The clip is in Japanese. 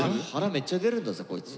めっちゃ出るんだぜこいつ。